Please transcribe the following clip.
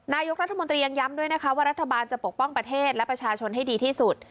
นายกรัฐมนตรียังย้ำด้วยนะคะว่ารัฐบาลจะปกป้องประเทศและประชาชนให้ดีที่สุด